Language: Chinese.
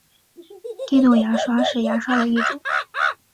电动牙刷是牙刷的一种。